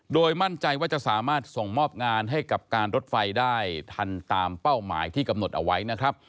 โดยมั่นใจว่าจะสามารถส่งมอบงานให้กับการรถไฟได้ทันตามเป้าหมายที่กำหนดเอาไว้นะครับ